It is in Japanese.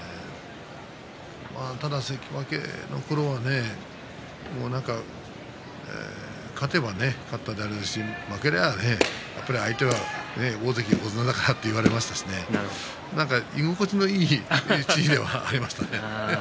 ただ関脇のころは勝てば勝ったであれですし負ければやっぱり大関横綱だからと言われましたし居心地のいい地位ではありましたね。